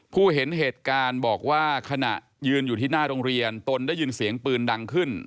ผู้เห็นเหตุการณ์บอกว่าขณะยืนอยู่ที่หน้าโรงเรียนตนได้ยินเสียงปืนดังขึ้น